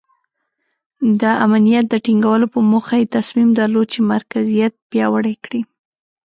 د امنیت د ټینګولو په موخه یې تصمیم درلود چې مرکزیت پیاوړی کړي.